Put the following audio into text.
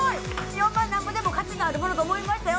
４万なんぼでも価値のあるものと思いましたよ